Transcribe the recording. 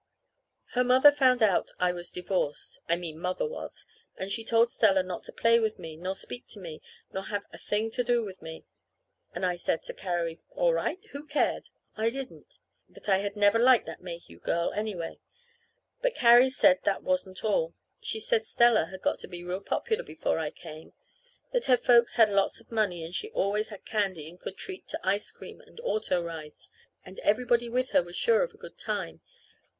Her mother found out I was divorced (I mean Mother was) and she told Stella not to play with me, nor speak to me, nor have a thing to do with me. And I said to Carrie, all right! Who cared? I didn't. That I never had liked that Mayhew girl, anyway. But Carrie said that wasn't all. She said Stella had got to be real popular before I came; that her folks had lots of money, and she always had candy and could treat to ice cream and auto rides, and everybody with her was sure of a good time.